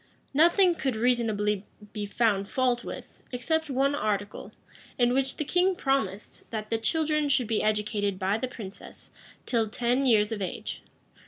Nothing could reasonably be found fault with, except one article, in which the king promised, that the children should be educated by the princess, till ten years of age.